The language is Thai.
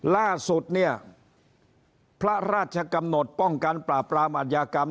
ล่าสุดเนี่ยพระราชกำหนดป้องกันปราบปรามอัธยากรรม